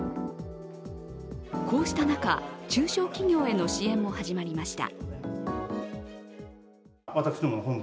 こうした中、中小企業への支援も始まりました。